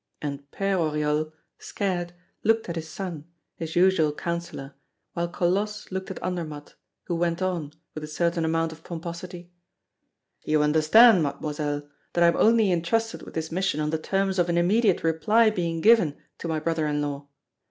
And Père Oriol, scared, looked at his son, his usual counselor, while Colosse looked at Andermatt, who went on, with a certain amount of pomposity: "You understand, Mademoiselle, that I am only intrusted with this mission on the terms of an immediate reply being given to my brother in law.